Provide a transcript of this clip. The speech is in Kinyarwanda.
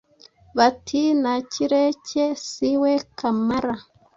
bati “Nakireke si we Kamara!”